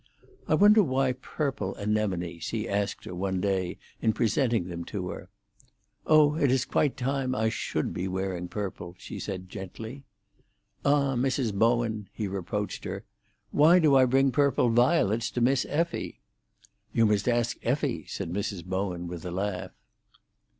"I wonder why purple anemones?" he asked her one day in presenting them to her. "Oh, it is quite time I should be wearing purple," she said gently. "Ah, Mrs. Bowen!" he reproached her. "Why do I bring purple violets to Miss Effie?" "You must ask Effie!" said Mrs. Bowen, with a laugh.